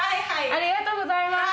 ありがとうございます。